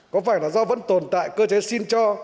có vẻ là do vẫn tồn tại cơ chế xin cho